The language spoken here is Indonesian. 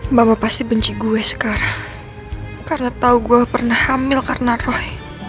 mama pasti benci gue sekarang karena tahu gua pernah hamil karena roy